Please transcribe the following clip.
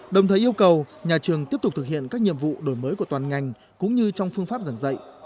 đồng thời yêu cầu nhà trường tiếp tục thực hiện các nhiệm vụ đổi mới của toàn ngành cũng như trong phương pháp giảng dạy